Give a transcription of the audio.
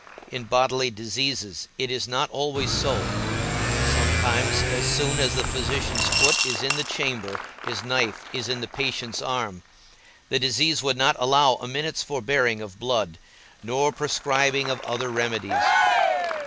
In bodily diseases it is not always so; sometimes, as soon as the physician's foot is in the chamber, his knife is in the patient's arm; the disease would not allow a minute's forbearing of blood, nor prescribing of other remedies.